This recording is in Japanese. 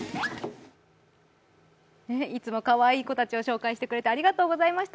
いつもかわいい子たちを紹介してくれてありがとうございました。